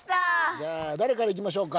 じゃあだれからいきましょうか？